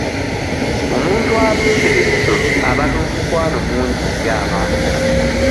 Omuntu alunda ebisolo aba n'omukwano mungi eri abantu.